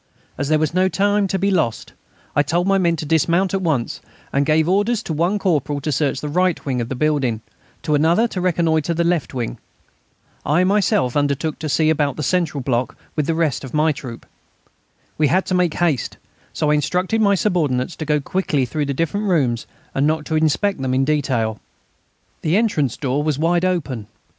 As there was no time to be lost, I told my men to dismount at once, and gave orders to one corporal to search the right wing of the building, to another to reconnoitre the left wing. I myself undertook to see about the central block with the rest of my troop. We had to make haste, so I instructed my subordinates to go quickly through the different rooms and not to inspect them in detail. The entrance door was wide open.